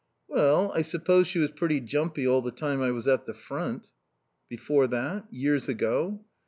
"Well, I suppose she was pretty jumpy all the time I was at the front." "Before that? Years ago?"